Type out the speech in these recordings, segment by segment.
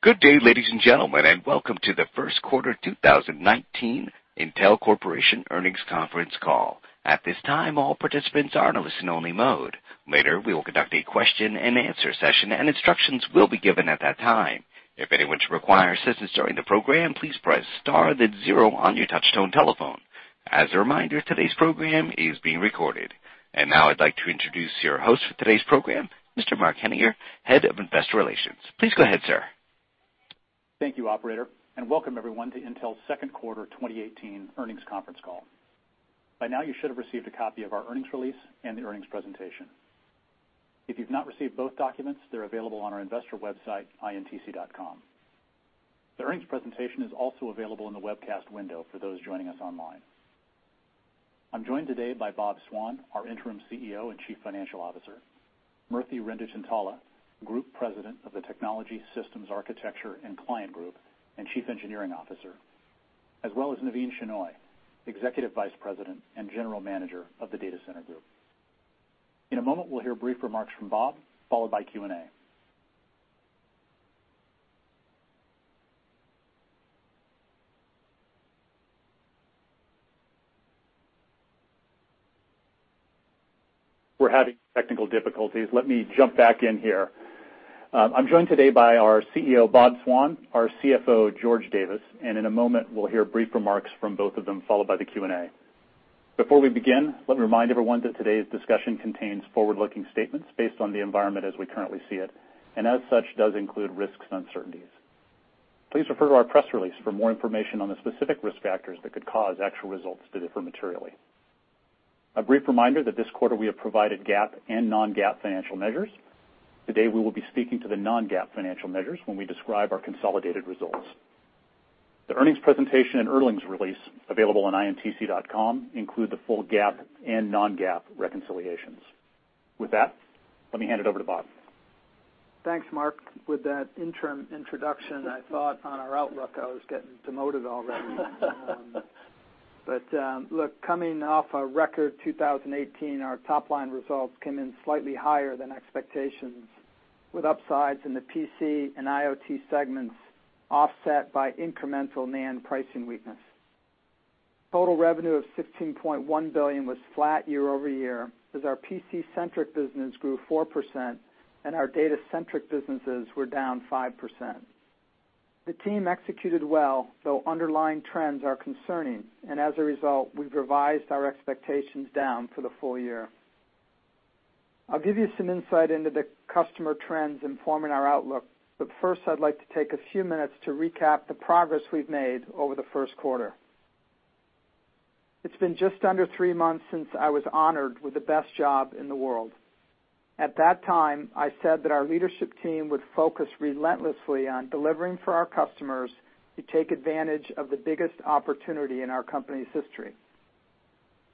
Good day, ladies and gentlemen, welcome to the first quarter 2019 Intel Corporation earnings conference call. At this time, all participants are in listen only mode. Later, we will conduct a question and answer session and instructions will be given at that time. If anyone should require assistance during the program, please press star then zero on your touchtone telephone. As a reminder, today's program is being recorded. Now I'd like to introduce your host for today's program, Mr. Mark Henninger, Head of Investor Relations. Please go ahead, sir. Thank you, operator, welcome everyone to Intel's second quarter 2018 earnings conference call. By now, you should have received a copy of our earnings release and the earnings presentation. If you've not received both documents, they're available on our investor website, intc.com. The earnings presentation is also available in the webcast window for those joining us online. I'm joined today by Bob Swan, our interim CEO and Chief Financial Officer, Murthy Renduchintala, Group President of the Technology, Systems, Architecture, and Client Group, and Chief Engineering Officer, as well as Navin Shenoy, Executive Vice President and General Manager of the Data Center Group. In a moment, we'll hear brief remarks from Bob, followed by Q&A. We're having technical difficulties. Let me jump back in here. I'm joined today by our CEO, Bob Swan, our CFO, George Davis, in a moment we'll hear brief remarks from both of them, followed by the Q&A. Before we begin, let me remind everyone that today's discussion contains forward-looking statements based on the environment as we currently see it, as such, does include risks and uncertainties. Please refer to our press release for more information on the specific risk factors that could cause actual results to differ materially. A brief reminder that this quarter we have provided GAAP and non-GAAP financial measures. Today we will be speaking to the non-GAAP financial measures when we describe our consolidated results. The earnings presentation and earnings release available on intc.com include the full GAAP and non-GAAP reconciliations. With that, let me hand it over to Bob. Thanks, Mark. With that interim introduction, I thought on our outlook I was getting demoted already. Look, coming off a record 2018, our top-line results came in slightly higher than expectations, with upsides in the PC and IoT segments offset by incremental NAND pricing weakness. Total revenue of $16.1 billion was flat year-over-year, as our PC-centric business grew 4% and our data-centric businesses were down 5%. The team executed well, though underlying trends are concerning, as a result, we've revised our expectations down for the full year. I'll give you some insight into the customer trends informing our outlook, first, I'd like to take a few minutes to recap the progress we've made over the first quarter. It's been just under three months since I was honored with the best job in the world. At that time, I said that our leadership team would focus relentlessly on delivering for our customers to take advantage of the biggest opportunity in our company's history.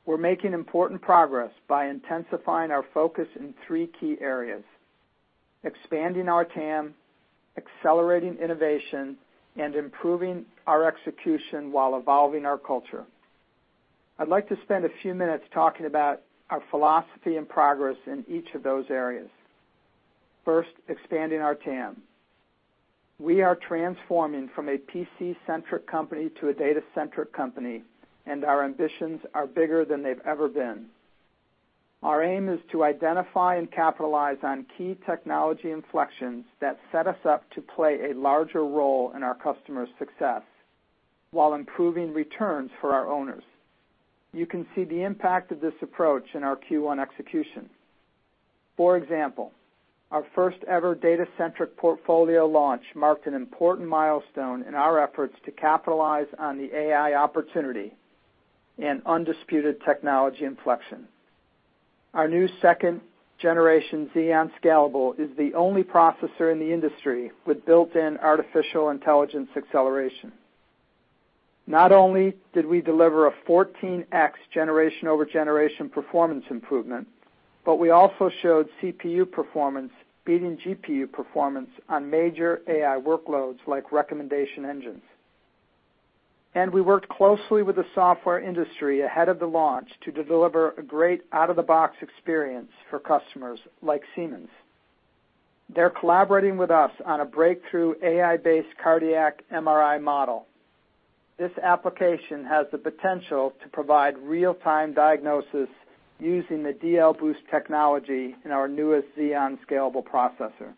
We're making important progress by intensifying our focus in three key areas: expanding our TAM, accelerating innovation, and improving our execution while evolving our culture. I'd like to spend a few minutes talking about our philosophy and progress in each of those areas. First, expanding our TAM. We are transforming from a PC-centric company to a data-centric company, and our ambitions are bigger than they've ever been. Our aim is to identify and capitalize on key technology inflections that set us up to play a larger role in our customers' success while improving returns for our owners. You can see the impact of this approach in our Q1 execution. For example, our first ever data-centric portfolio launch marked an important milestone in our efforts to capitalize on the AI opportunity and undisputed technology inflection. Our new second generation Xeon Scalable is the only processor in the industry with built-in artificial intelligence acceleration. Not only did we deliver a 14x generation over generation performance improvement, but we also showed CPU performance beating GPU performance on major AI workloads like recommendation engines. We worked closely with the software industry ahead of the launch to deliver a great out-of-the-box experience for customers like Siemens. They're collaborating with us on a breakthrough AI-based cardiac MRI model. This application has the potential to provide real-time diagnosis using the DL Boost technology in our newest Xeon Scalable processor.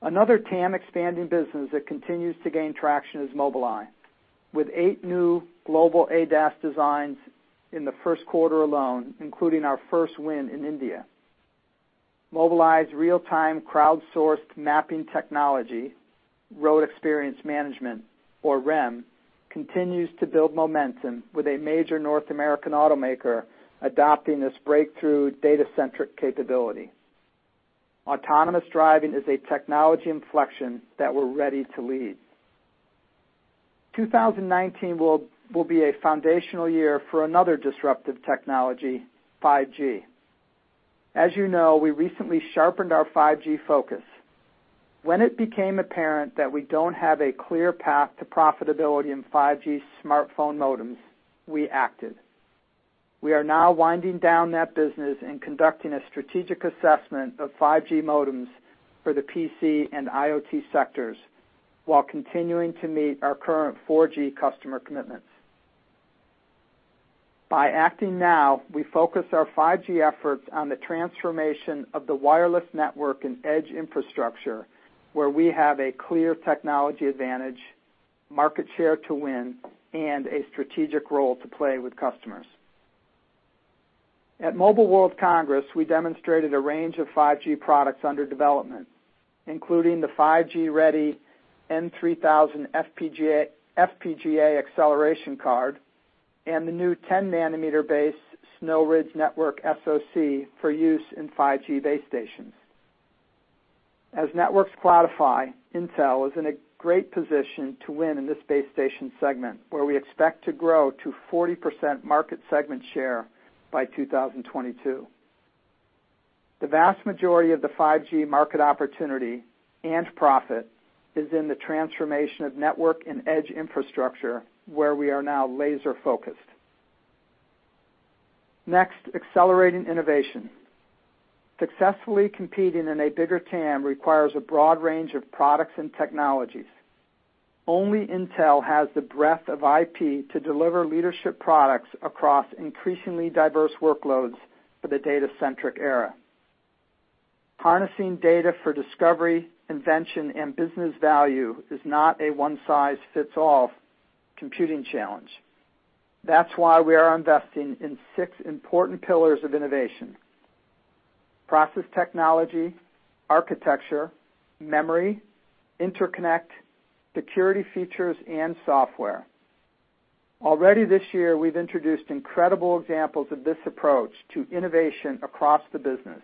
Another TAM expanding business that continues to gain traction is Mobileye. With eight new global ADAS designs in the first quarter alone, including our first win in India. Mobileye's real-time crowdsourced mapping technology, Road Experience Management, or REM, continues to build momentum with a major North American automaker adopting this breakthrough data-centric capability. Autonomous driving is a technology inflection that we're ready to lead. 2019 will be a foundational year for another disruptive technology, 5G. As you know, we recently sharpened our 5G focus. When it became apparent that we don't have a clear path to profitability in 5G smartphone modems, we acted. We are now winding down that business and conducting a strategic assessment of 5G modems for the PC and IoT sectors, while continuing to meet our current 4G customer commitments. By acting now, we focus our 5G efforts on the transformation of the wireless network and edge infrastructure, where we have a clear technology advantage, market share to win, and a strategic role to play with customers. At Mobile World Congress, we demonstrated a range of 5G products under development, including the 5G-ready N3000 FPGA acceleration card and the new 10-nanometer base Snow Ridge network SoC for use in 5G base stations. As networks cloudify, Intel is in a great position to win in this base station segment, where we expect to grow to 40% market segment share by 2022. The vast majority of the 5G market opportunity and profit is in the transformation of network and edge infrastructure, where we are now laser-focused. Next, accelerating innovation. Successfully competing in a bigger TAM requires a broad range of products and technologies. Only Intel has the breadth of IP to deliver leadership products across increasingly diverse workloads for the data-centric era. Harnessing data for discovery, invention, and business value is not a one-size-fits-all computing challenge. That's why we are investing in six important pillars of innovation. Process technology, architecture, memory, interconnect, security features, and software. Already this year, we've introduced incredible examples of this approach to innovation across the business.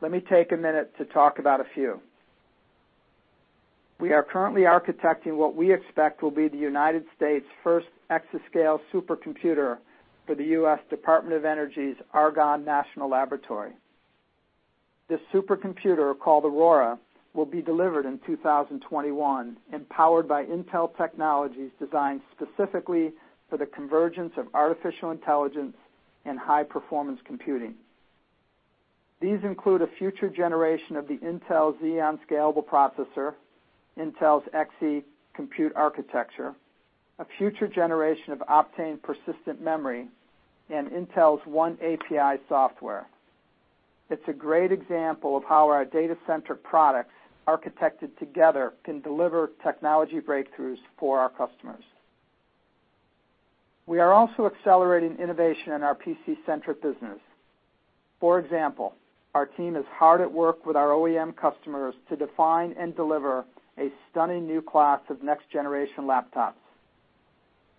Let me take a minute to talk about a few. We are currently architecting what we expect will be the United States' first exascale supercomputer for the US Department of Energy's Argonne National Laboratory. This supercomputer, called Aurora, will be delivered in 2021, empowered by Intel technologies designed specifically for the convergence of artificial intelligence and high-performance computing. These include a future generation of the Intel Xeon Scalable processor, Intel's Xe compute architecture, a future generation of Optane persistent memory, and Intel's oneAPI software. It's a great example of how our data center products architected together can deliver technology breakthroughs for our customers. We are also accelerating innovation in our PC-centric business. For example, our team is hard at work with our OEM customers to define and deliver a stunning new class of next-generation laptops.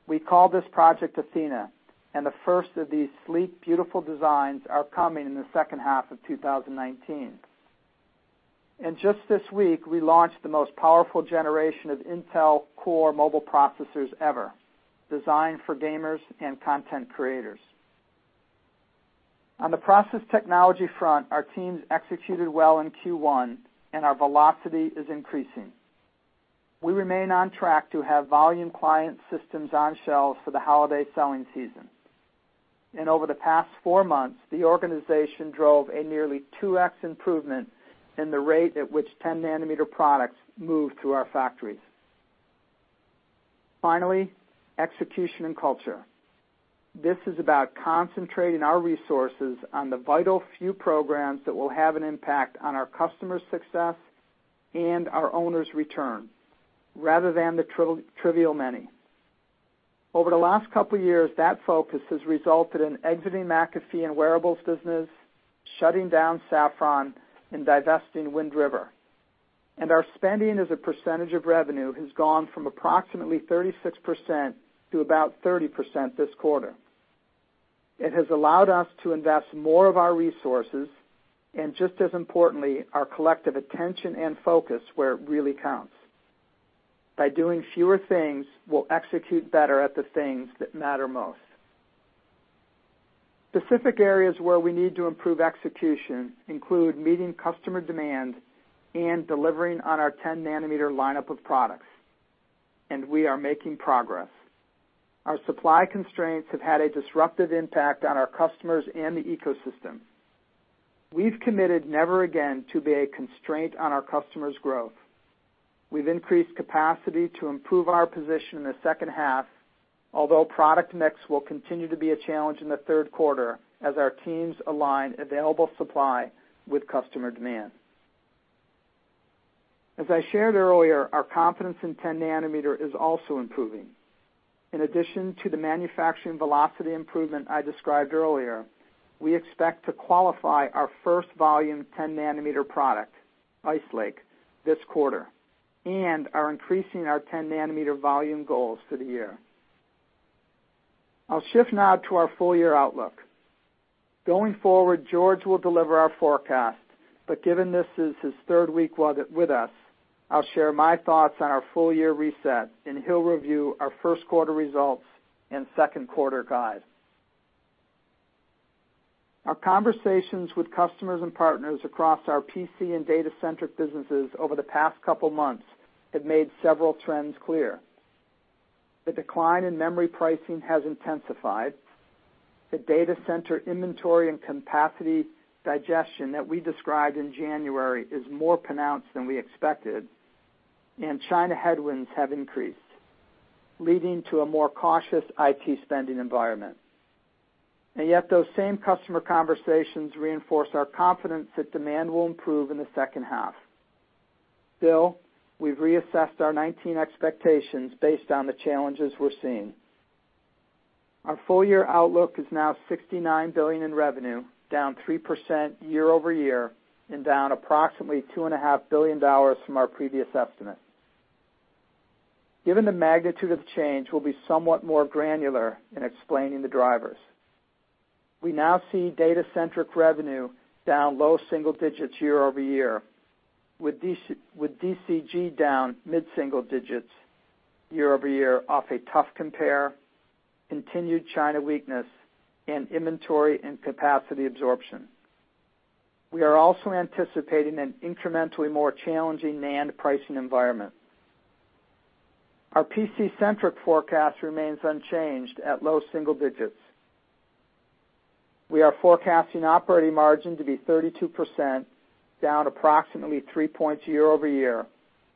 We call this Project Athena, and the first of these sleek, beautiful designs are coming in the second half of 2019. Just this week, we launched the most powerful generation of Intel Core mobile processors ever, designed for gamers and content creators. On the process technology front, our teams executed well in Q1. Our velocity is increasing. We remain on track to have volume client systems on shelves for the holiday selling season. Over the past four months, the organization drove a nearly 2X improvement in the rate at which 10-nanometer products move through our factories. Finally, execution and culture. This is about concentrating our resources on the vital few programs that will have an impact on our customers' success and our owners' return, rather than the trivial many. Over the last couple of years, that focus has resulted in exiting McAfee and wearables business, shutting down Saffron, and divesting Wind River. Our spending as a percentage of revenue has gone from approximately 36% to about 30% this quarter. It has allowed us to invest more of our resources, and just as importantly, our collective attention and focus where it really counts. By doing fewer things, we'll execute better at the things that matter most. Specific areas where we need to improve execution include meeting customer demand and delivering on our 10-nanometer lineup of products, and we are making progress. Our supply constraints have had a disruptive impact on our customers and the ecosystem. We've committed never again to be a constraint on our customers' growth. We've increased capacity to improve our position in the second half, although product mix will continue to be a challenge in the third quarter as our teams align available supply with customer demand. As I shared earlier, our confidence in 10-nanometer is also improving. In addition to the manufacturing velocity improvement I described earlier, we expect to qualify our first volume 10-nanometer product, Ice Lake, this quarter, and are increasing our 10-nanometer volume goals for the year. I'll shift now to our full-year outlook. Going forward, George will deliver our forecast, but given this is his third week with us, I'll share my thoughts on our full-year reset, he'll review our first quarter results and second quarter guide. Our conversations with customers and partners across our PC and data-centric businesses over the past couple of months have made several trends clear. The decline in memory pricing has intensified. The data center inventory and capacity digestion that we described in January is more pronounced than we expected, China headwinds have increased, leading to a more cautious IT spending environment. Yet those same customer conversations reinforce our confidence that demand will improve in the second half. Still, we've reassessed our 2019 expectations based on the challenges we're seeing. Our full year outlook is now $69 billion in revenue, down 3% year-over-year, and down approximately $2.5 billion from our previous estimate. Given the magnitude of change, we'll be somewhat more granular in explaining the drivers. We now see data-centric revenue down low single digits year-over-year, with DCG down mid-single digits year-over-year off a tough compare, continued China weakness, and inventory and capacity absorption. We are also anticipating an incrementally more challenging NAND pricing environment. Our PC-centric forecast remains unchanged at low single digits. We are forecasting operating margin to be 32%, down approximately 3 points year-over-year,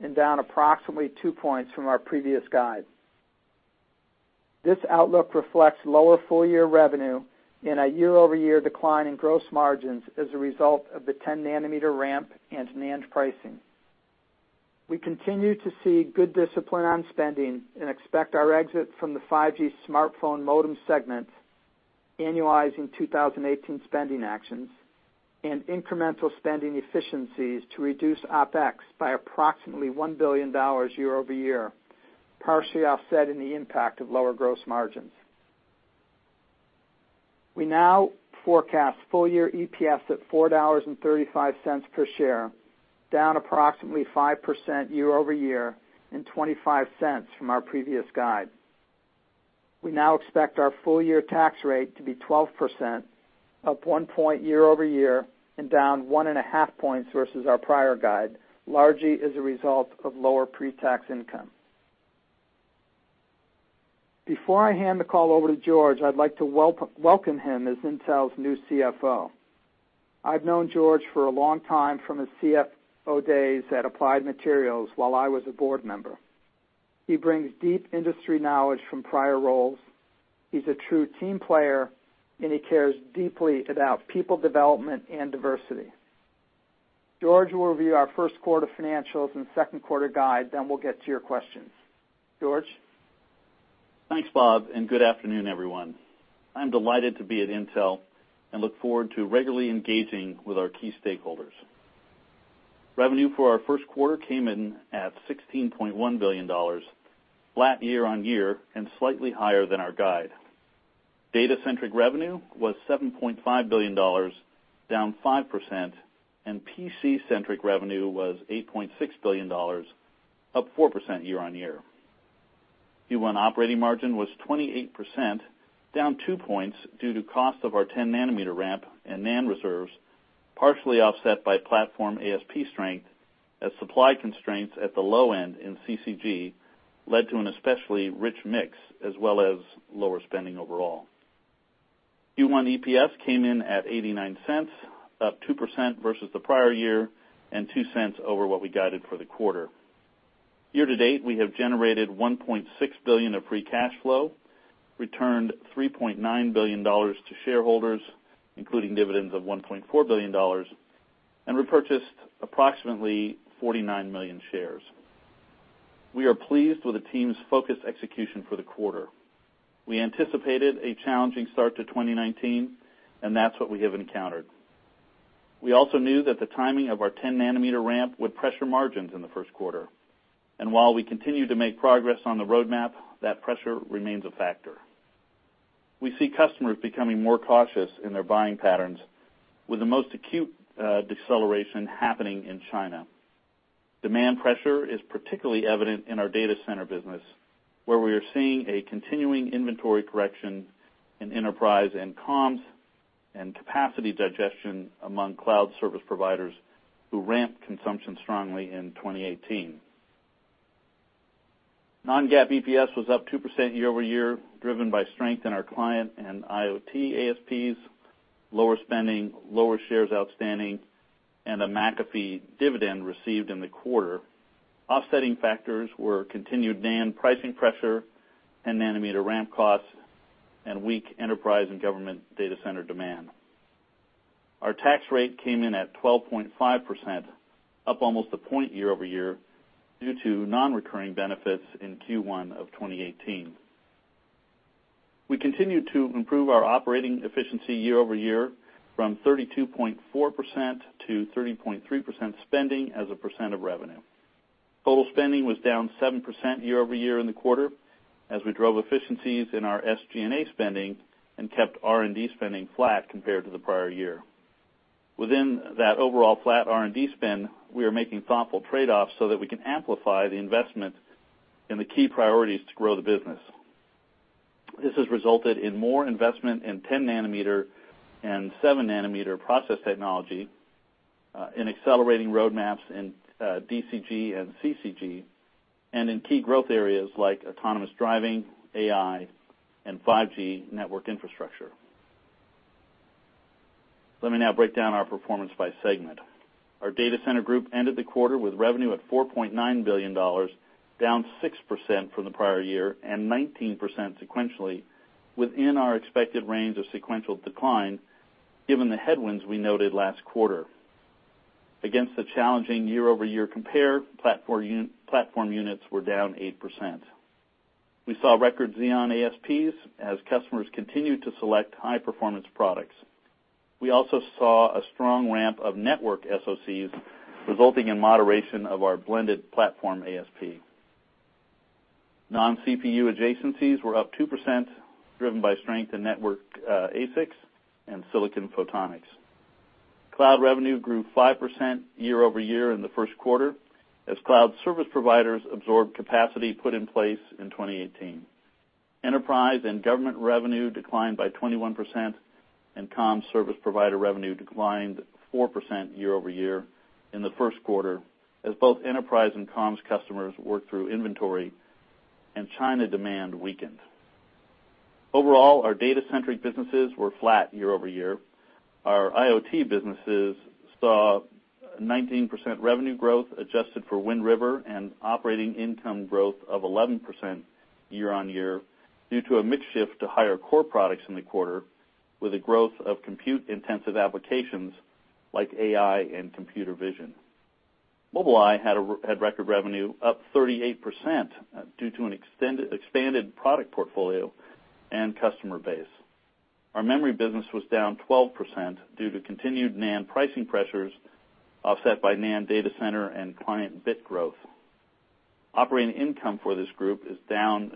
and down approximately 2 points from our previous guide. This outlook reflects lower full year revenue and a year-over-year decline in gross margins as a result of the 10-nanometer ramp and NAND pricing. We continue to see good discipline on spending and expect our exit from the 5G smartphone modem segment annualizing 2018 spending actions and incremental spending efficiencies to reduce OpEx by approximately $1 billion year-over-year, partially offsetting the impact of lower gross margins. We now forecast full year EPS at $4.35 per share, down approximately 5% year-over-year, and $0.25 from our previous guide. We now expect our full year tax rate to be 12%, up 1 point year-over-year, and down 1.5 points versus our prior guide, largely as a result of lower pre-tax income. Before I hand the call over to George, I'd like to welcome him as Intel's new CFO. I've known George for a long time from his CFO days at Applied Materials while I was a board member. He brings deep industry knowledge from prior roles. He's a true team player, he cares deeply about people development and diversity. George will review our first quarter financials and second quarter guide, we'll get to your questions. George? Thanks, Bob, and good afternoon, everyone. I'm delighted to be at Intel and look forward to regularly engaging with our key stakeholders. Revenue for our first quarter came in at $16.1 billion, flat year-over-year, and slightly higher than our guide. Data-centric revenue was $7.5 billion, down 5%, and PC-centric revenue was $8.6 billion, up 4% year-over-year. Q1 operating margin was 28%, down two points due to cost of our 10-nanometer ramp and NAND reserves, partially offset by platform ASP strength as supply constraints at the low end in CCG led to an especially rich mix, as well as lower spending overall. Q1 EPS came in at $0.89, up 2% versus the prior year, and $0.02 over what we guided for the quarter. Year-to-date, we have generated $1.6 billion of free cash flow, returned $3.9 billion to shareholders, including dividends of $1.4 billion, and repurchased approximately 49 million shares. We are pleased with the team's focused execution for the quarter. We anticipated a challenging start to 2019, and that's what we have encountered. We also knew that the timing of our 10-nanometer ramp would pressure margins in the first quarter, and while we continue to make progress on the roadmap, that pressure remains a factor. We see customers becoming more cautious in their buying patterns, with the most acute deceleration happening in China. Demand pressure is particularly evident in our data center business, where we are seeing a continuing inventory correction in enterprise and comms and capacity digestion among cloud service providers who ramped consumption strongly in 2018. Non-GAAP EPS was up 2% year-over-year, driven by strength in our client and IoT ASPs, lower spending, lower shares outstanding, and a McAfee dividend received in the quarter. Offsetting factors were continued NAND pricing pressure, 10-nanometer ramp costs, and weak enterprise and government data center demand. Our tax rate came in at 12.5%, up almost one point year-over-year due to non-recurring benefits in Q1 of 2018. We continued to improve our operating efficiency year-over-year from 32.4% to 30.3% spending as a percent of revenue. Total spending was down 7% year-over-year in the quarter as we drove efficiencies in our SG&A spending and kept R&D spending flat compared to the prior year. Within that overall flat R&D spend, we are making thoughtful trade-offs so that we can amplify the investment in the key priorities to grow the business. This has resulted in more investment in 10-nanometer and 7-nanometer process technology, in accelerating roadmaps in DCG and CCG, and in key growth areas like autonomous driving, AI, and 5G network infrastructure. Let me now break down our performance by segment. Our Data Center Group ended the quarter with revenue at $4.9 billion, down 6% from the prior year and 19% sequentially, within our expected range of sequential decline given the headwinds we noted last quarter. Against the challenging year-over-year compare, platform units were down 8%. We saw record Xeon ASPs as customers continued to select high-performance products. We also saw a strong ramp of network SoCs, resulting in moderation of our blended platform ASP. Non-CPU adjacencies were up 2%, driven by strength in network ASICs and silicon photonics. Cloud revenue grew 5% year-over-year in the first quarter, as cloud service providers absorbed capacity put in place in 2018. Enterprise and Government revenue declined by 21%, and comms service provider revenue declined 4% year-over-year in the first quarter, as both enterprise and comms customers worked through inventory and China demand weakened. Overall, our data-centric businesses were flat year-over-year. Our IoT businesses saw 19% revenue growth adjusted for Wind River and operating income growth of 11% year-on-year due to a mix shift to higher core products in the quarter with a growth of compute-intensive applications like AI and computer vision. Mobileye had record revenue up 38% due to an expanded product portfolio and customer base. Our memory business was down 12% due to continued NAND pricing pressures offset by NAND data center and client bit growth. Operating income for this group is down,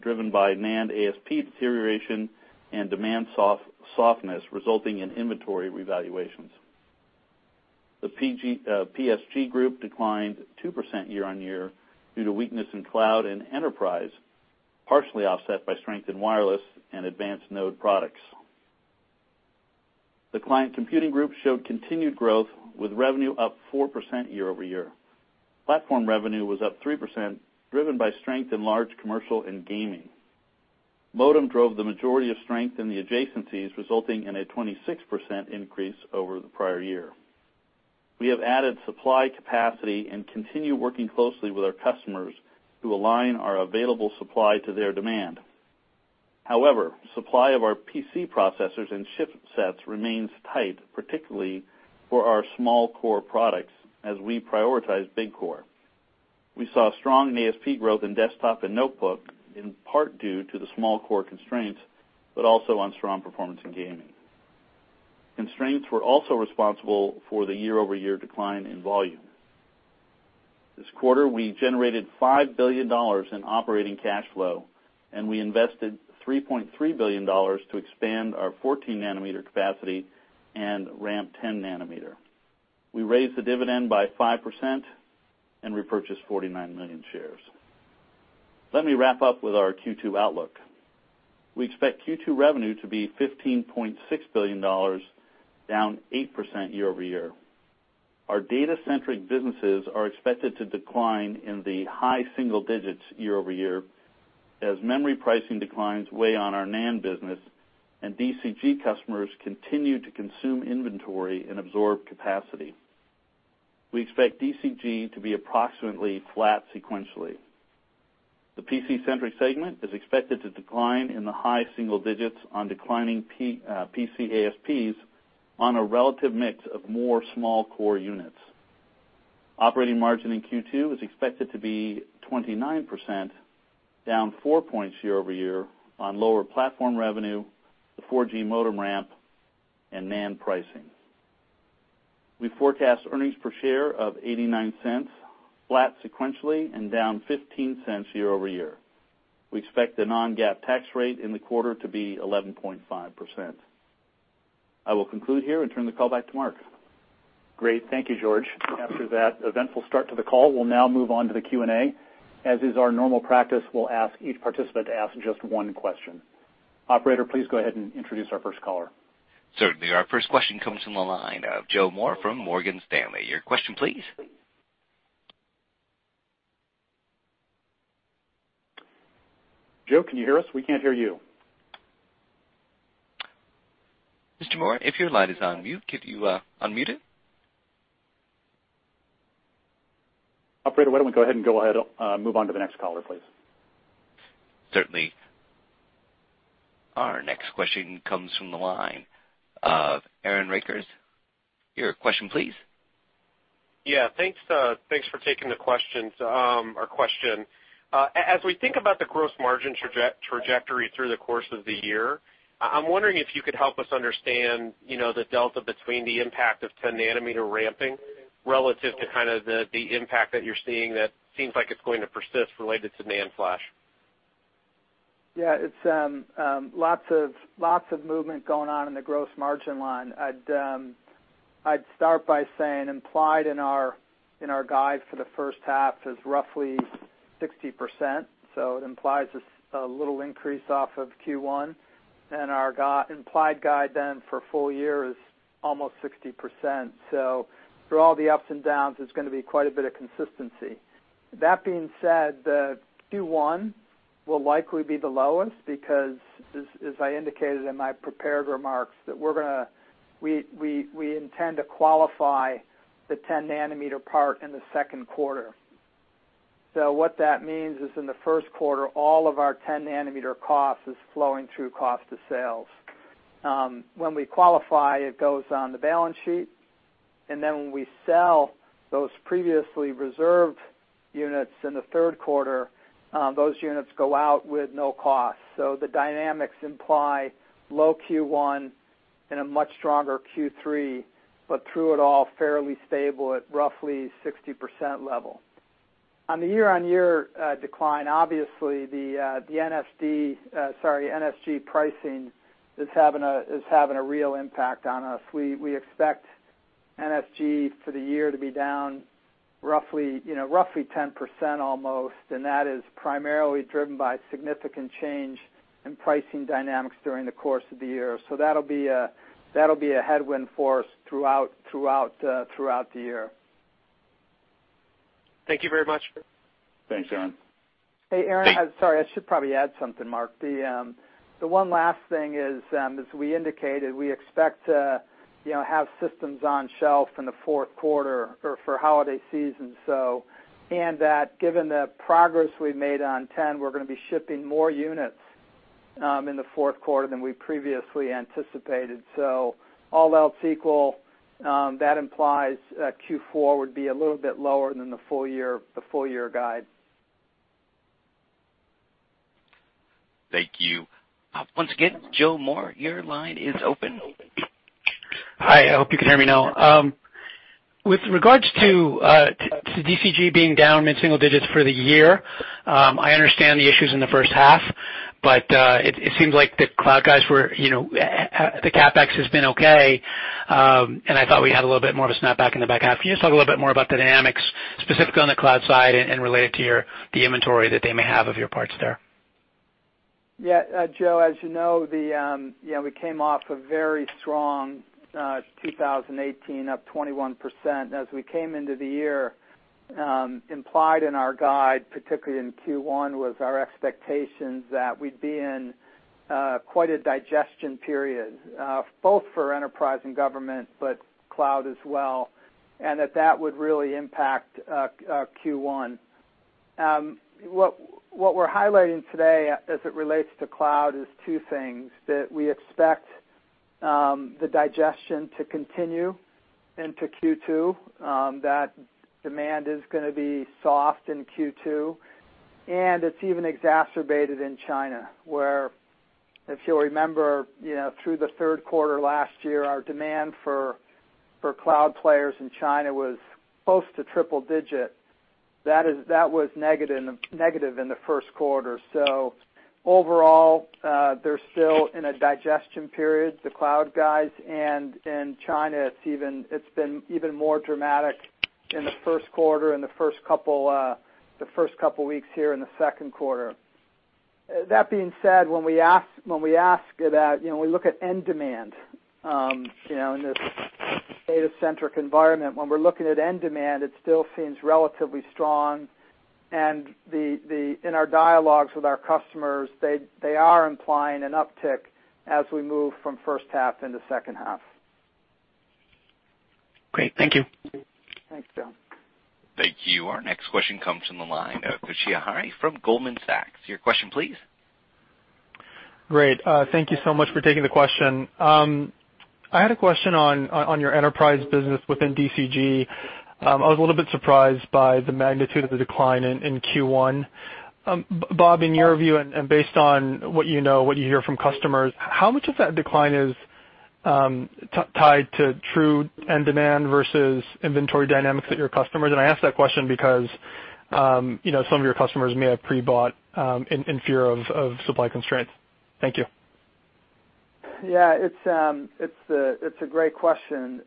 driven by NAND ASP deterioration and demand softness resulting in inventory revaluations. The PSG Group declined 2% year-on-year due to weakness in cloud and enterprise, partially offset by strength in wireless and advanced node products. The Client Computing Group showed continued growth with revenue up 4% year-over-year. Platform revenue was up 3%, driven by strength in large commercial and gaming. Modem drove the majority of strength in the adjacencies, resulting in a 26% increase over the prior year. We have added supply capacity and continue working closely with our customers to align our available supply to their demand. However, supply of our PC processors and chipsets remains tight, particularly for our small core products as we prioritize big core. We saw strong ASP growth in desktop and notebook, in part due to the small core constraints, but also on strong performance in gaming. Constraints were also responsible for the year-over-year decline in volume. This quarter, we generated $5 billion in operating cash flow, and we invested $3.3 billion to expand our 14-nanometer capacity and ramp 10-nanometer. We raised the dividend by 5% and repurchased 49 million shares. Let me wrap up with our Q2 outlook. We expect Q2 revenue to be $15.6 billion, down 8% year-over-year. Our data-centric businesses are expected to decline in the high single digits year-over-year, as memory pricing declines weigh on our NAND business and DCG customers continue to consume inventory and absorb capacity. We expect DCG to be approximately flat sequentially. The PC-centric segment is expected to decline in the high single digits on declining PC ASPs on a relative mix of more small core units. Operating margin in Q2 is expected to be 29%, down four points year-over-year on lower platform revenue, the 4G modem ramp, and NAND pricing. We forecast earnings per share of $0.89, flat sequentially and down $0.15 year-over-year. We expect the non-GAAP tax rate in the quarter to be 11.5%. I will conclude here and turn the call back to Mark. Great. Thank you, George. After that eventful start to the call, we'll now move on to the Q&A. As is our normal practice, we'll ask each participant to ask just one question. Operator, please go ahead and introduce our first caller. Certainly. Our first question comes from the line of Joseph Moore from Morgan Stanley. Your question, please. Joe, can you hear us? We can't hear you. Mr. Moore, if your line is on mute, could you un-mute it? Operator, why don't we go ahead and move on to the next caller, please. Certainly. Our next question comes from the line of Aaron Rakers. Your question, please. Yeah. Thanks for taking our question. As we think about the gross margin trajectory through the course of the year, I'm wondering if you could help us understand the delta between the impact of 10-nanometer ramping relative to the impact that you're seeing that seems like it's going to persist related to NAND flash. Yeah, it's lots of movement going on in the gross margin line. I'd start by saying, implied in our guide for the first half is roughly 60%. It implies a little increase off of Q1. Our implied guide then for full year is almost 60%. Through all the ups and downs, there's going to be quite a bit of consistency. That being said, Q1 will likely be the lowest because, as I indicated in my prepared remarks, that we intend to qualify the 10-nanometer part in the second quarter. What that means is, in the first quarter, all of our 10-nanometer cost is flowing through cost of sales. When we qualify, it goes on the balance sheet, and then when we sell those previously reserved units in the third quarter, those units go out with no cost. The dynamics imply low Q1 and a much stronger Q3, through it all, fairly stable at roughly 60%. On the year-on-year decline, obviously the NSG pricing is having a real impact on us. We expect NSG for the year to be down roughly 10% almost, that is primarily driven by significant change in pricing dynamics during the course of the year. That'll be a headwind for us throughout the year. Thank you very much. Thanks, Aaron. Hey, Aaron. Sorry, I should probably add something, Mark. The one last thing is, as we indicated, we expect to have systems on shelf in the fourth quarter or for holiday season. That given the progress we've made on 10, we're going to be shipping more units in the fourth quarter than we previously anticipated. All else equal, that implies Q4 would be a little bit lower than the full year guide. Thank you. Once again, Joseph Moore, your line is open. Hi, I hope you can hear me now. With regards to DCG being down mid-single digits for the year, I understand the issues in the first half, but it seems like the cloud guys, the CapEx has been okay, and I thought we had a little bit more of a snap back in the back half. Can you just talk a little bit more about the dynamics, specifically on the cloud side and related to the inventory that they may have of your parts there? Yeah. Joe, as you know, we came off a very strong 2018, up 21%. As we came into the year, implied in our guide, particularly in Q1, was our expectations that we'd be in quite a digestion period both for enterprise and government, but cloud as well, and that that would really impact Q1. What we're highlighting today as it relates to cloud is two things, that we expect the digestion to continue into Q2, that demand is going to be soft in Q2, and it's even exacerbated in China, where, if you'll remember, through the third quarter last year, our demand for cloud players in China was close to triple digit. That was negative in the first quarter. Overall, they're still in a digestion period, the cloud guys. In China, it's been even more dramatic in the first quarter and the first couple weeks here in the second quarter. That being said, when we look at end demand in this data-centric environment, when we're looking at end demand, it still seems relatively strong, and in our dialogues with our customers, they are implying an uptick as we move from first half into second half. Great. Thank you. Thanks, Joe. Thank you. Our next question comes from the line of Toshiya Hari from Goldman Sachs. Your question, please. Great. Thank you so much for taking the question. I had a question on your enterprise business within DCG. I was a little bit surprised by the magnitude of the decline in Q1. Bob, in your view, and based on what you know, what you hear from customers, how much of that decline is tied to true end demand versus inventory dynamics at your customers? I ask that question because some of your customers may have pre-bought in fear of supply constraints. Thank you. It's a great question.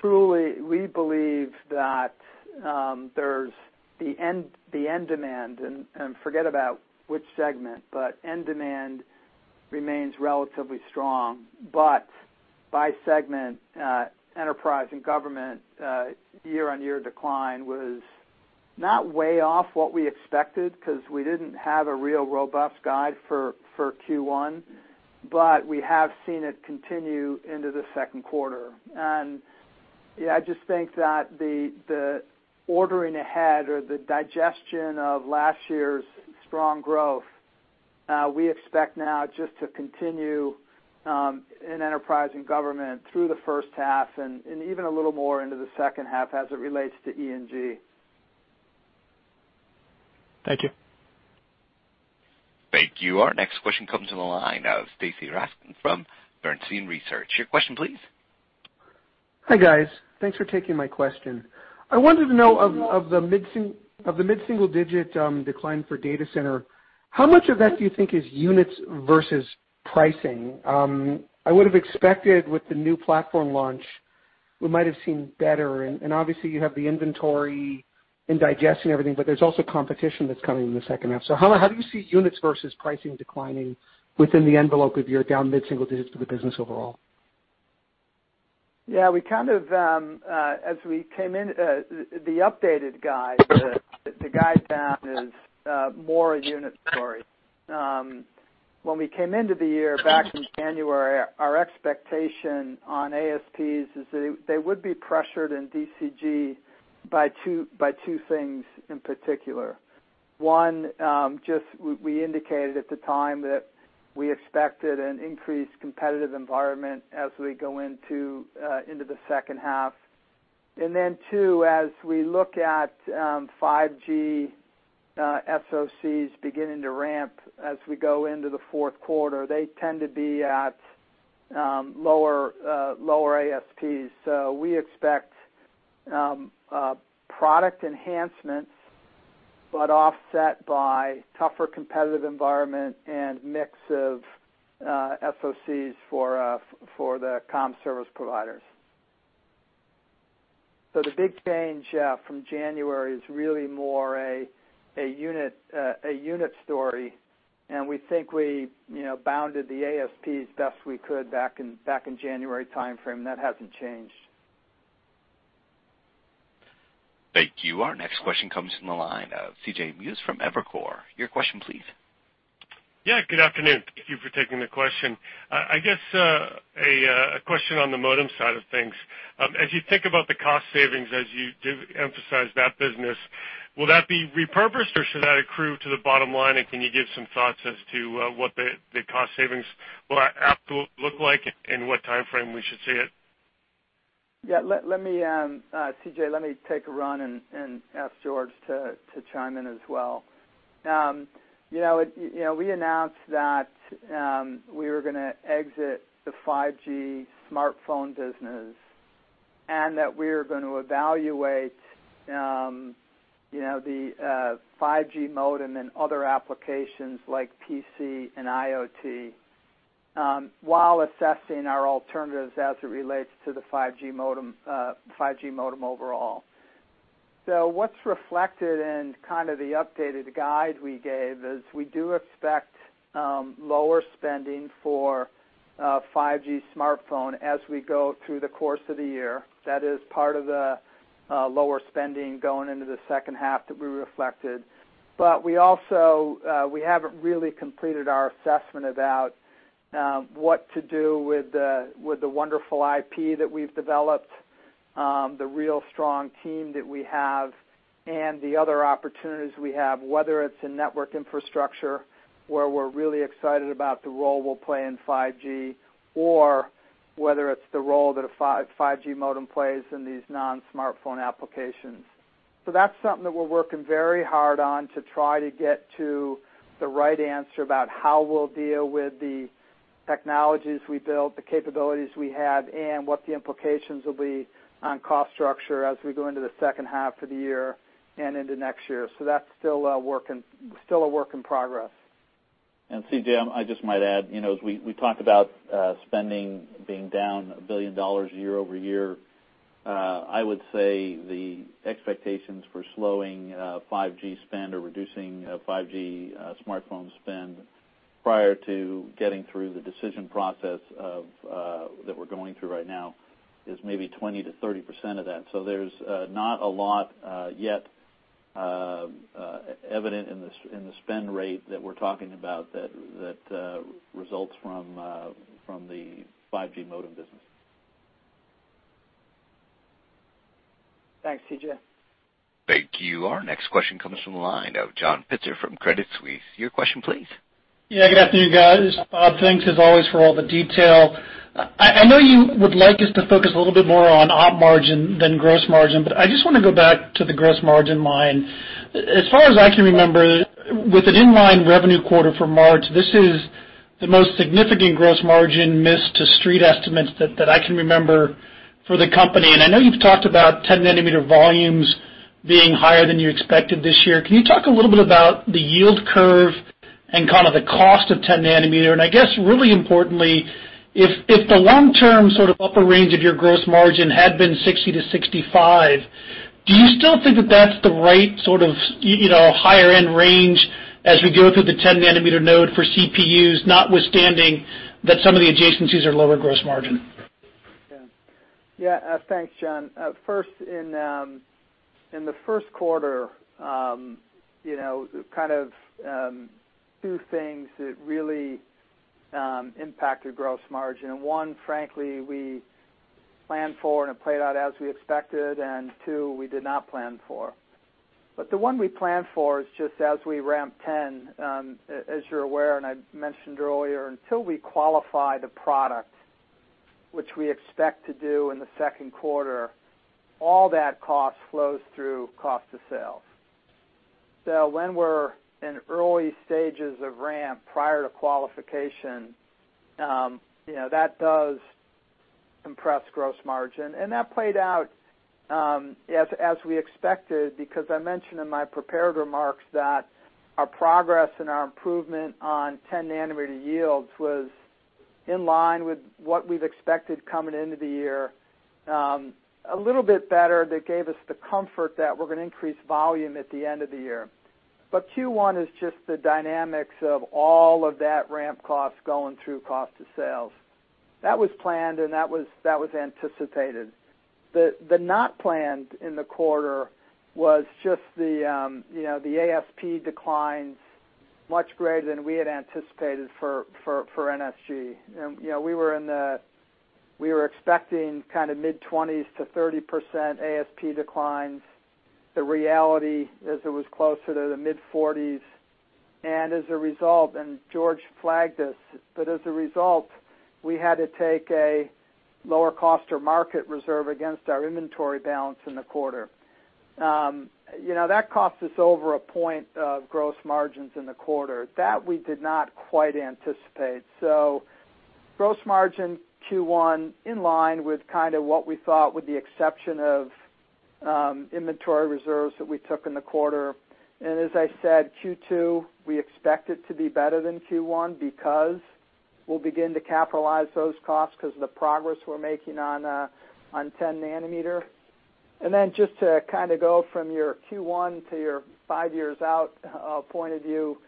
Truly, we believe that there's the end demand, forget about which segment, but end demand remains relatively strong. By segment, Enterprise and Government year-on-year decline was not way off what we expected because we didn't have a real robust guide for Q1, but we have seen it continue into the second quarter. Yeah, I just think that the ordering ahead or the digestion of last year's strong growth, we expect now just to continue in Enterprise and Government through the first half and even a little more into the second half as it relates to E&G. Thank you. Thank you. Our next question comes from the line of Stacy Rasgon from Bernstein Research. Your question, please. Hi, guys. Thanks for taking my question. I wanted to know of the mid-single-digit decline for data center, how much of that do you think is units versus pricing? I would've expected with the new platform launch, we might have seen better, and obviously you have the inventory and digesting everything, but there's also competition that's coming in the second half. How do you see units versus pricing declining within the envelope of your down mid-single digits for the business overall? As we came in, the updated guide, the guide down is more a unit story. When we came into the year back in January, our expectation on ASPs is that they would be pressured in DCG by two things in particular. One, we indicated at the time that we expected an increased competitive environment as we go into the second half. Two, as we look at 5G SoCs beginning to ramp as we go into the fourth quarter, they tend to be at lower ASPs. We expect product enhancements, but offset by tougher competitive environment and mix of SoCs for the comm service providers. The big change from January is really more a unit story, and we think we bounded the ASP as best we could back in January timeframe. That hasn't changed. Thank you. Our next question comes from the line of C.J. Muse from Evercore. Your question, please. Good afternoon. Thank you for taking the question. I guess, a question on the modem side of things. As you think about the cost savings as you emphasize that business, will that be repurposed, or should that accrue to the bottom line, and can you give some thoughts as to what the cost savings will look like and what timeframe we should see it? C.J., let me take a run and ask George to chime in as well. We announced that we were gonna exit the 5G smartphone business and that we were going to evaluate the 5G modem and other applications like PC and IoT, while assessing our alternatives as it relates to the 5G modem overall. What's reflected in the updated guide we gave is we do expect lower spending for 5G smartphone as we go through the course of the year. That is part of the lower spending going into the second half that we reflected. We haven't really completed our assessment about what to do with the wonderful IP that we've developed, the real strong team that we have, and the other opportunities we have, whether it's in network infrastructure, where we're really excited about the role we'll play in 5G, or whether it's the role that a 5G modem plays in these non-smartphone applications. That's something that we're working very hard on to try to get to the right answer about how we'll deal with the technologies we built, the capabilities we have, and what the implications will be on cost structure as we go into the second half of the year and into next year. That's still a work in progress. C.J., I just might add, as we talk about spending being down $1 billion year-over-year, I would say the expectations for slowing 5G spend or reducing 5G smartphone spend prior to getting through the decision process that we're going through right now is maybe 20%-30% of that. There's not a lot yet evident in the spend rate that we're talking about that results from the 5G modem business. Thanks, C.J. Thank you. Our next question comes from the line of John Pitzer from Credit Suisse. Your question, please. Yeah, good afternoon, guys. Bob, thanks as always for all the detail. I know you would like us to focus a little bit more on op margin than gross margin, but I just want to go back to the gross margin line. As far as I can remember, with an in-line revenue quarter for March, this is the most significant gross margin miss to Street estimates that I can remember for the company. I know you've talked about 10-nanometer volumes being higher than you expected this year. Can you talk a little bit about the yield curve and kind of the cost of 10-nanometer? I guess really importantly, if the long-term sort of upper range of your gross margin had been 60%-65%, do you still think that that's the right sort of higher-end range as we go through the 10-nanometer node for CPUs, notwithstanding that some of the adjacencies are lower gross margin? Yeah. Thanks, John. First, in the first quarter, kind of two things that really impacted gross margin. One, frankly, we planned for, and it played out as we expected, and two, we did not plan for. The one we planned for is just as we ramp 10, as you're aware and I mentioned earlier, until we qualify the product, which we expect to do in the second quarter, all that cost flows through cost of sales. So when we're in early stages of ramp prior to qualification, that does compress gross margin. That played out, as we expected, because I mentioned in my prepared remarks that our progress and our improvement on 10-nanometer yields was in line with what we've expected coming into the year. A little bit better, that gave us the comfort that we're going to increase volume at the end of the year. Q1 is just the dynamics of all of that ramp cost going through cost of sales. That was planned, and that was anticipated. The not planned in the quarter was just the ASP declines much greater than we had anticipated for NSG. We were expecting mid-20s%-30% ASP declines. The reality is it was closer to the mid-40s%, as a result, George flagged this, as a result, we had to take a lower cost or market reserve against our inventory balance in the quarter. That cost us over a point of gross margins in the quarter. That we did not quite anticipate. Gross margin Q1 in line with what we thought with the exception of inventory reserves that we took in the quarter. As I said, Q2, we expect it to be better than Q1 because we'll begin to capitalize those costs because of the progress we're making on 10-nanometer. Just to go from your Q1 to your five years out point of view.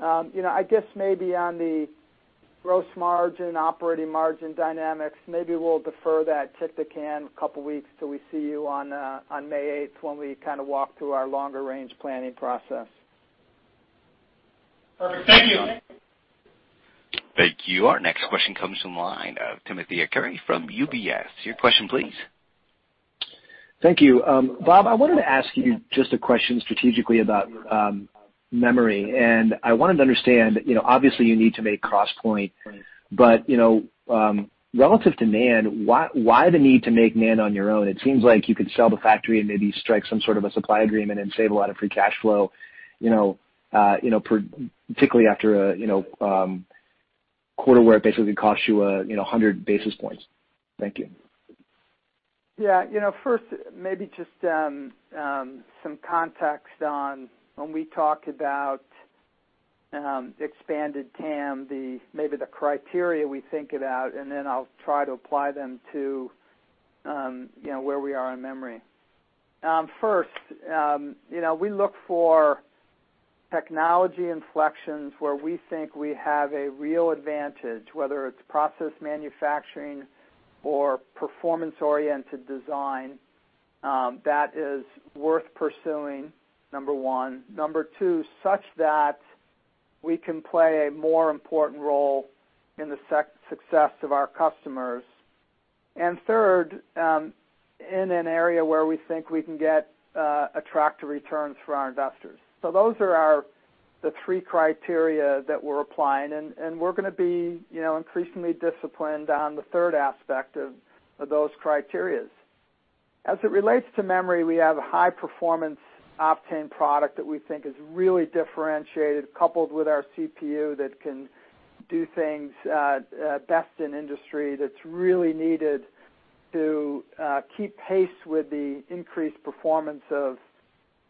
I guess maybe on the gross margin, operating margin dynamics, maybe we'll defer that kick the can a couple of weeks till we see you on May 8th when we walk through our longer range planning process. Perfect. Thank you. Thank you. Our next question comes from the line of Timothy Arcuri from UBS. Your question, please. Thank you. Bob, I wanted to ask you just a question strategically about memory. I wanted to understand, obviously you need to make cost point, but relative to NAND, why the need to make NAND on your own? It seems like you could sell the factory and maybe strike some sort of a supply agreement and save a lot of free cash flow, particularly after a quarter where it basically costs you 100 basis points. Thank you. Yeah. First, maybe just some context on when we talk about expanded TAM, maybe the criteria we think about, then I'll try to apply them to where we are in memory. First, we look for technology inflections where we think we have a real advantage, whether it's process manufacturing or performance-oriented design, that is worth pursuing, number one. Number two, such that we can play a more important role in the success of our customers. Third, in an area where we think we can get attractive returns for our investors. Those are the three criteria that we're applying, and we're going to be increasingly disciplined on the third aspect of those criteria. As it relates to memory, we have a high-performance Optane product that we think is really differentiated, coupled with our CPU that can do things best in industry, that's really needed to keep pace with the increased performance of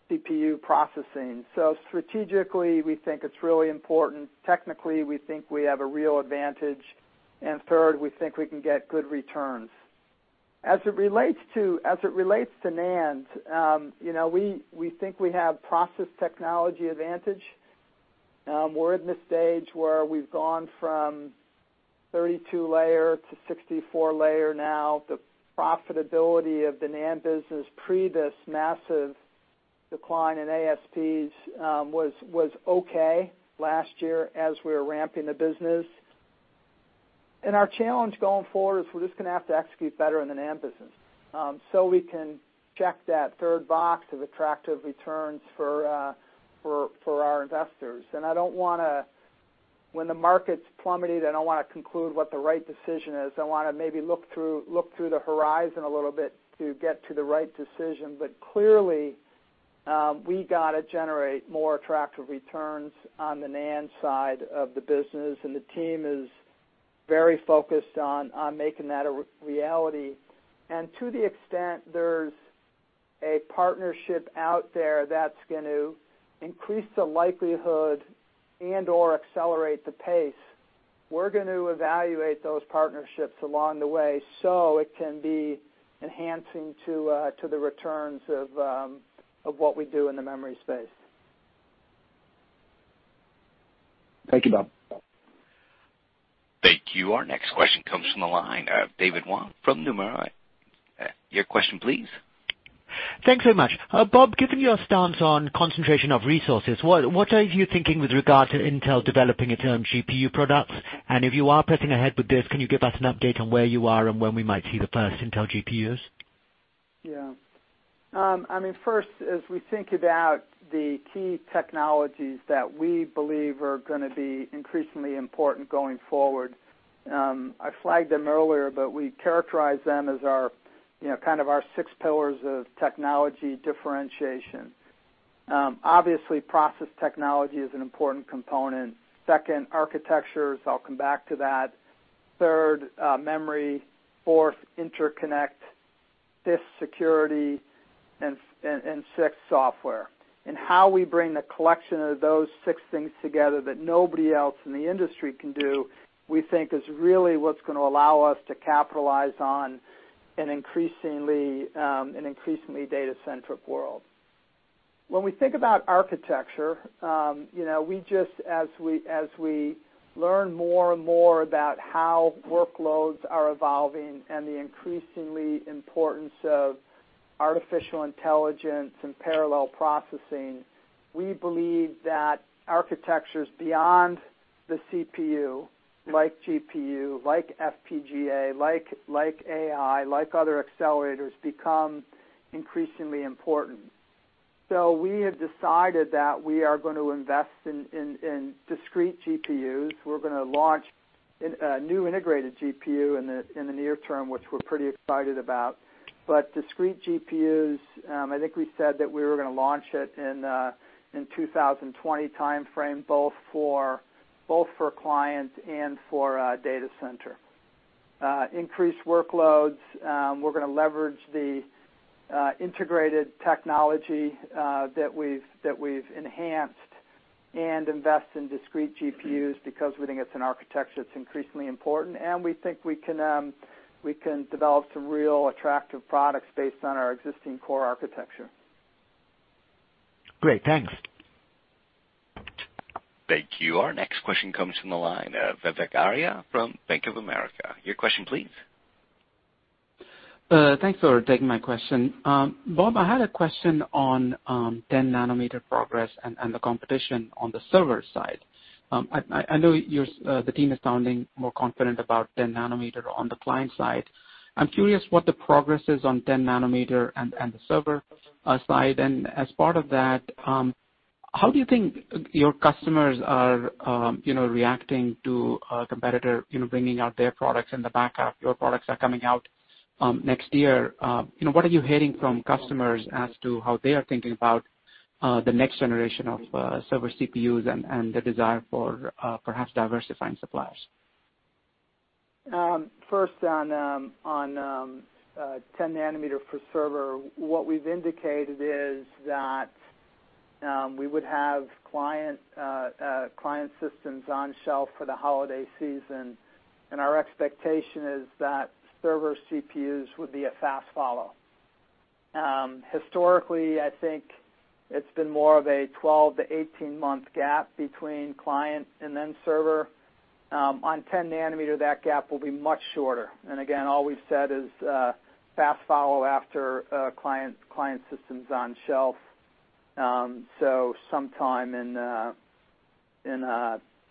CPU processing. Strategically, we think it's really important. Technically, we think we have a real advantage. Third, we think we can get good returns. As it relates to NAND, we think we have process technology advantage. We're in the stage where we've gone from 32-layer to 64-layer now. The profitability of the NAND business pre this massive decline in ASPs was okay last year as we were ramping the business. Our challenge going forward is we're just going to have to execute better in the NAND business so we can check that third box of attractive returns for our investors. When the market's plummeted, I don't want to conclude what the right decision is. I want to maybe look through the horizon a little bit to get to the right decision. Clearly, we got to generate more attractive returns on the NAND side of the business, and the team is very focused on making that a reality. To the extent there's a partnership out there that's going to increase the likelihood and/or accelerate the pace, we're going to evaluate those partnerships along the way so it can be enhancing to the returns of what we do in the memory space. Thank you, Bob. Thank you. Our next question comes from the line of David Wong from Nomura. Your question, please. Thanks so much. Bob, given your stance on concentration of resources, what are you thinking with regard to Intel developing its own GPU products? If you are pressing ahead with this, can you give us an update on where you are and when we might see the first Intel GPUs? First, as we think about the key technologies that we believe are going to be increasingly important going forward, I flagged them earlier, but we characterize them as our kind of our six pillars of technology differentiation. Obviously, process technology is an important component. Second, architectures, I'll come back to that. Third, memory. Fourth, interconnect. Fifth, security, and sixth, software. How we bring the collection of those six things together that nobody else in the industry can do, we think is really what's going to allow us to capitalize on an increasingly data-centric world. When we think about architecture, as we learn more and more about how workloads are evolving and the increasing importance of artificial intelligence and parallel processing, we believe that architectures beyond the CPU, like GPU, like FPGA, like AI, like other accelerators, become increasingly important. We have decided that we are going to invest in discrete GPUs. We're going to launch a new integrated GPU in the near term, which we're pretty excited about. Discrete GPUs, I think we said that we were going to launch it in 2020 timeframe, both for client and for data center. Increased workloads, we're going to leverage the integrated technology that we've enhanced and invest in discrete GPUs because we think it's an architecture that's increasingly important, and we think we can develop some real attractive products based on our existing core architecture. Great. Thanks. Thank you. Our next question comes from the line of Vivek Arya from Bank of America. Your question please. Thanks for taking my question. Bob, I had a question on 10-nanometer progress and the competition on the server side. I know the team is sounding more confident about 10-nanometer on the client side. I'm curious what the progress is on 10-nanometer and the server side. As part of that, how do you think your customers are reacting to a competitor bringing out their products in the back half? Your products are coming out next year. What are you hearing from customers as to how they are thinking about the next generation of server CPUs and the desire for perhaps diversifying suppliers? First on 10-nanometer for server, what we've indicated is that we would have client systems on shelf for the holiday season, and our expectation is that server CPUs would be a fast follow. Historically, I think it's been more of a 12 to 18-month gap between client and then server. On 10-nanometer, that gap will be much shorter. Again, all we've said is fast follow after client systems on shelf. Sometime in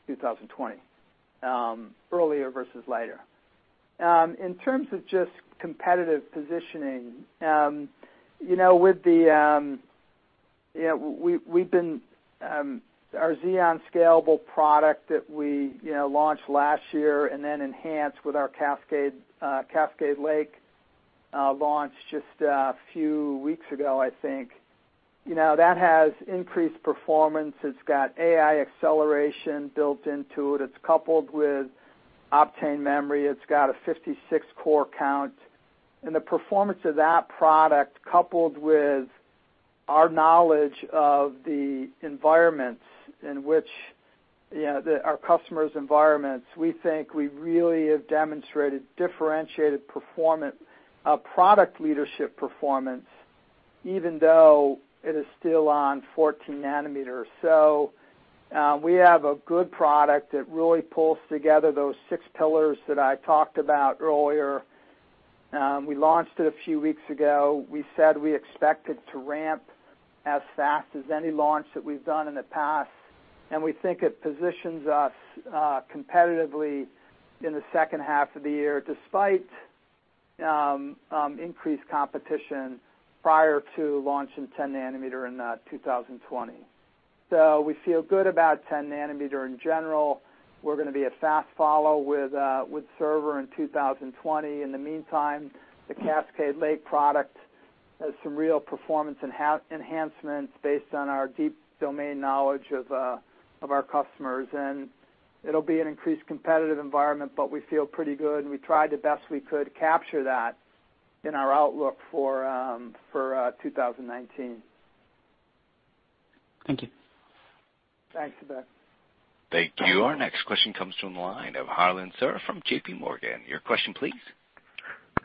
2020, earlier versus later. In terms of just competitive positioning, our Xeon Scalable product that we launched last year and then enhanced with our Cascade Lake launch just a few weeks ago, I think, that has increased performance. It's got AI acceleration built into it. It's coupled with Optane memory. It's got a 56-core count. The performance of that product, coupled with our knowledge of our customers' environments, we think we really have demonstrated differentiated product leadership performance, even though it is still on 14-nanometer. We have a good product that really pulls together those six pillars that I talked about earlier. We launched it a few weeks ago. We said we expect it to ramp as fast as any launch that we've done in the past, and we think it positions us competitively in the second half of the year, despite increased competition prior to launching 10-nanometer in 2020. We feel good about 10-nanometer in general. We're going to be a fast follow with server in 2020. In the meantime, the Cascade Lake product has some real performance enhancements based on our deep domain knowledge of our customers. It'll be an increased competitive environment, but we feel pretty good, and we tried the best we could to capture that in our outlook for 2019. Thank you. Thanks, Vivek. Thank you. Our next question comes from the line of Harlan Sur from J.P. Morgan. Your question, please.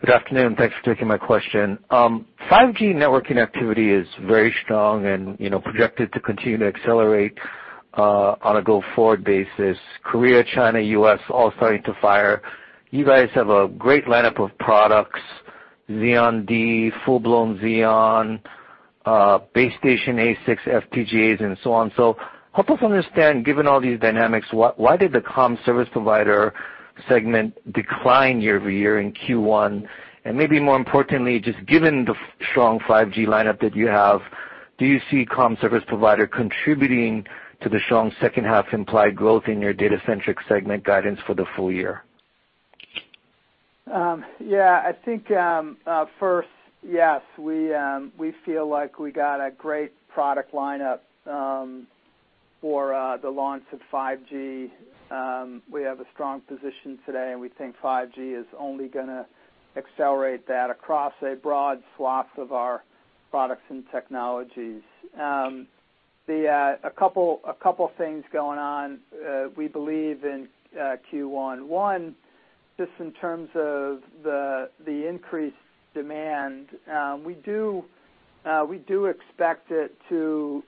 Good afternoon. Thanks for taking my question. 5G networking activity is very strong and projected to continue to accelerate on a go-forward basis. Korea, China, U.S. all starting to fire. You guys have a great lineup of products, Xeon D, full-blown Xeon, Base Station ASICs FPGAs, and so on. Help us understand, given all these dynamics, why did the comm service provider segment decline year-over-year in Q1? Maybe more importantly, just given the strong 5G lineup that you have. Do you see comm service provider contributing to the strong second half implied growth in your data centric segment guidance for the full year? I think, first, yes, we feel like we got a great product lineup for the launch of 5G. We have a strong position today, and we think 5G is only going to accelerate that across a broad swath of our products and technologies. A couple of things going on. We believe in Q1, one, just in terms of the increased demand, we do expect it to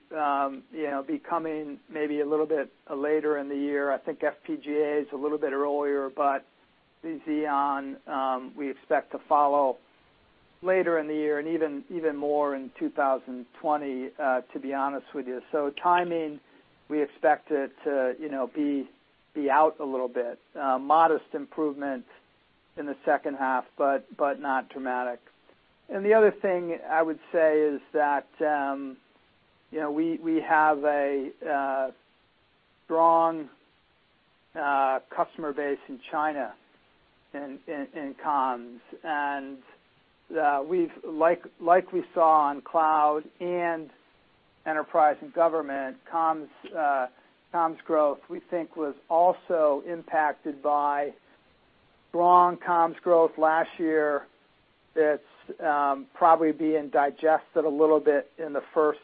be coming maybe a little bit later in the year. I think FPGA is a little bit earlier, but the Xeon we expect to follow later in the year and even more in 2020, to be honest with you. Timing, we expect it to be out a little bit. Modest improvement in the second half, but not dramatic. The other thing I would say is that we have a strong customer base in China, in comms, and like we saw on cloud and enterprise and government, comms growth, we think, was also impacted by strong comms growth last year that's probably being digested a little bit in the first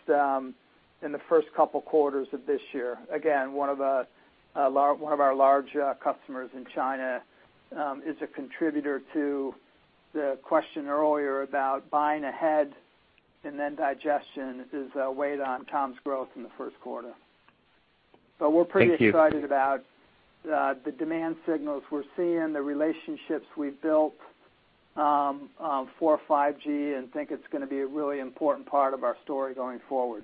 couple of quarters of this year. Again, one of our large customers in China is a contributor to the question earlier about buying ahead and then digestion is weighed on comms growth in the first quarter. Thank you. We're pretty excited about the demand signals we're seeing, the relationships we've built for 5G, and think it's going to be a really important part of our story going forward.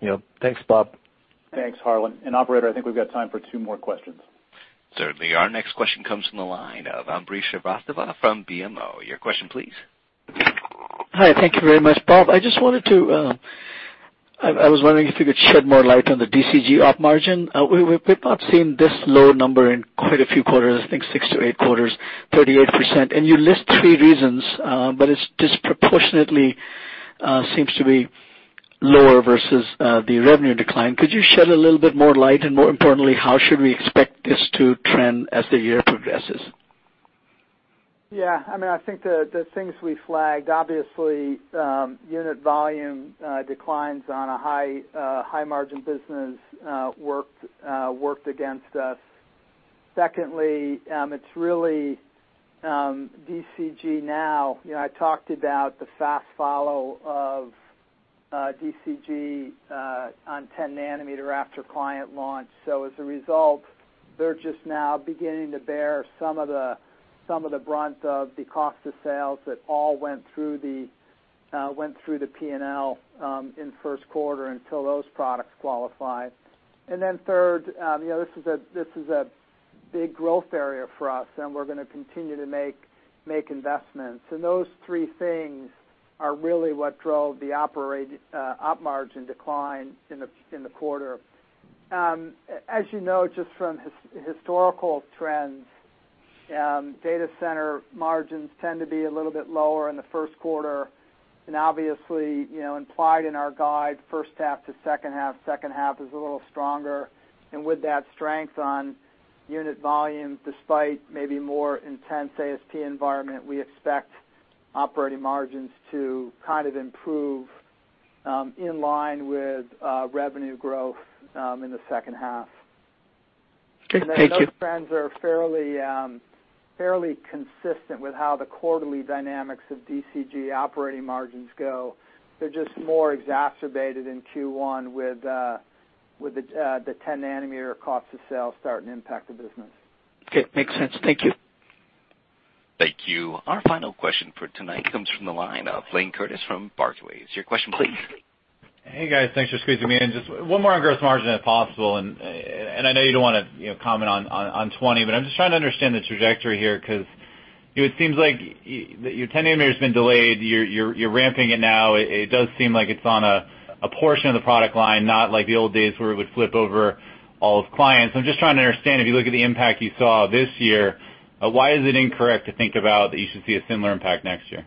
Yep. Thanks, Bob. Thanks, Harlan. Operator, I think we've got time for two more questions. Certainly. Our next question comes from the line of Ambrish Srivastava from BMO. Your question, please. Hi. Thank you very much, Bob. I was wondering if you could shed more light on the DCG op margin. We've not seen this low number in quite a few quarters, I think six to eight quarters, 38%, and you list three reasons, but it disproportionately seems to be lower versus the revenue decline. Could you shed a little bit more light? More importantly, how should we expect this to trend as the year progresses? Yeah. I think the things we flagged, obviously, unit volume declines on a high margin business worked against us. Secondly, it's really DCG now. I talked about the fast follow of DCG on 10-nanometer after client launch. As a result, they're just now beginning to bear some of the brunt of the cost of sales that all went through the P&L in first quarter until those products qualify. Then third, this is a big growth area for us, and we're going to continue to make investments. Those three things are really what drove the op margin decline in the quarter. As you know, just from historical trends, data center margins tend to be a little bit lower in the first quarter, and obviously, implied in our guide, first half to second half, second half is a little stronger. With that strength on unit volume, despite maybe more intense ASP environment, we expect operating margins to kind of improve in line with revenue growth in the second half. Okay. Thank you. Those trends are fairly consistent with how the quarterly dynamics of DCG operating margins go. They're just more exacerbated in Q1 with the 10-nanometer cost of sales starting to impact the business. Okay. Makes sense. Thank you. Thank you. Our final question for tonight comes from the line of Blayne Curtis from Barclays. Your question, please. Hey, guys, thanks for squeezing me in. Just one more on gross margin, if possible. I know you don't want to comment on 2020, but I'm just trying to understand the trajectory here, because it seems like your 10-nanometer's been delayed. You're ramping it now. It does seem like it's on a portion of the product line, not like the old days where it would flip over all of clients. I'm just trying to understand, if you look at the impact you saw this year, why is it incorrect to think about that you should see a similar impact next year?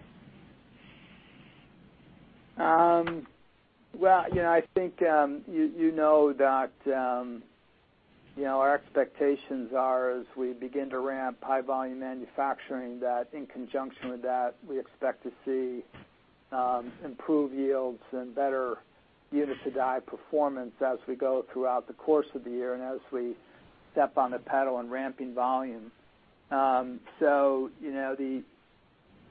Well, I think you know that our expectations are as we begin to ramp high volume manufacturing, that in conjunction with that, we expect to see improved yields and better unit to die performance as we go throughout the course of the year and as we step on the pedal on ramping volume.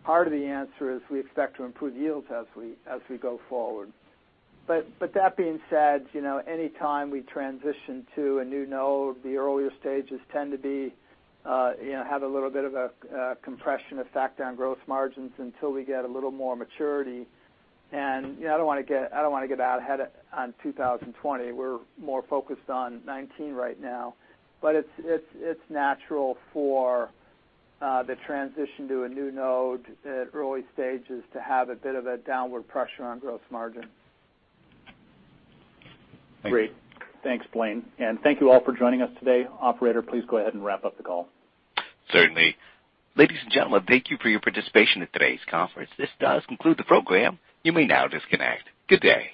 Part of the answer is we expect to improve yields as we go forward. That being said, any time we transition to a new node, the earlier stages tend to have a little bit of a compression effect on gross margins until we get a little more maturity. I don't want to get out ahead on 2020. We're more focused on 2019 right now. It's natural for the transition to a new node at early stages to have a bit of a downward pressure on gross margin. Thank you. Great. Thanks, Blayne. Thank you all for joining us today. Operator, please go ahead and wrap up the call. Certainly. Ladies and gentlemen, thank you for your participation in today's conference. This does conclude the program. You may now disconnect. Good day.